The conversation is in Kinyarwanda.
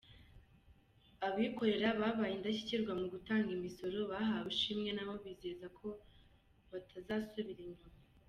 Abikorera babaye indashyikirwa mu gutanga imisoro bahawe ishimwe, nabo bizeza ko batazasubira inyuma.